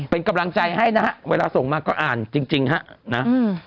เป็นกำลังใจให้นะเวลาส่งมาก็อ่านจริงนะ